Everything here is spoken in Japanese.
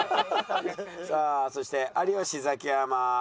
さあそして有吉ザキヤマ藤本さん